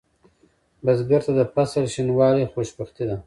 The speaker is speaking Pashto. بزګر ته د فصل شینوالی خوشبختي ده